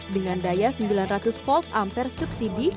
dengan daya sembilan ratus volt ampere subsidi